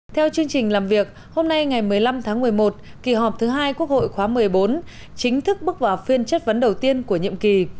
theo chương trình làm việc hôm nay ngày một mươi năm tháng một mươi một kỳ họp thứ hai quốc hội khóa một mươi bốn chính thức bước vào phiên chất vấn đầu tiên của nhiệm kỳ